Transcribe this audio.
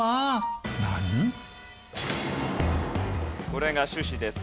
これが種子です。